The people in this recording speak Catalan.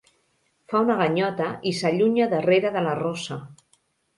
Fa una ganyota i s'allunya darrere de la rossa.